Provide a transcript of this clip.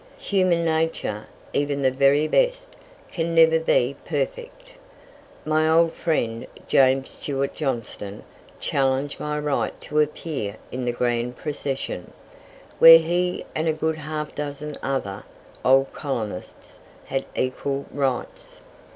Human nature, even the very best, can never be perfect. My old friend James Stewart Johnston challenged my right to appear in the grand procession, where he and a good half dozen other "old colonists" had equal rights.